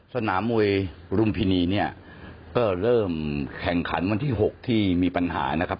สนามมวยรุมพินีเนี่ยก็เริ่มแข่งขันวันที่๖ที่มีปัญหานะครับ